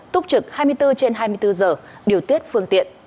túc trực hai mươi bốn trên hai mươi bốn giờ điều tiết phương tiện